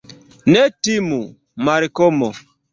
Ne timu, Malkomo.